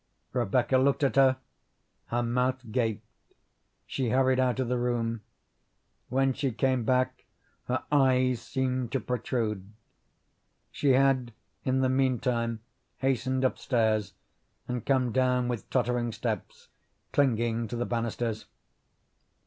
Rebecca looked at her; her mouth gaped. She hurried out of the room. When she came back her eyes seemed to protrude. (She had in the meantime hastened upstairs, and come down with tottering steps, clinging to the banisters.)